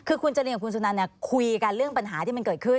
คือคุณจรินกับคุณสุนันเนี่ยคุยกันเรื่องปัญหาที่มันเกิดขึ้น